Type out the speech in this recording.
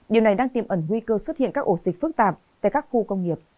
điều này đang tiềm ẩn nguy cơ xuất hiện các ổ dịch phức tạp tại các khu công nghiệp